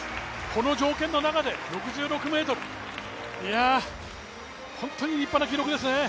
この条件の中で６６ｍ、いや本当に立派な記録ですね。